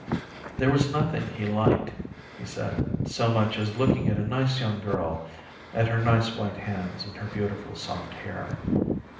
There was nothing he liked, he said, so much as looking at a nice young girl, at her nice white hands and her beautiful soft hair.